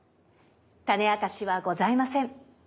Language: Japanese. タネあかしはございません。